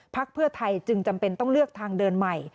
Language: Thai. เพื่อไทยจึงจำเป็นต้องเลือกทางเดินใหม่